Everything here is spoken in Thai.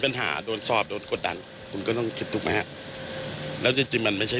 เขาคุยกับใครครับพี่